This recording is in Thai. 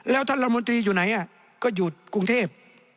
แล้วท่านละมนตรีอยู่ไหนก็อยู่กรุงเทพ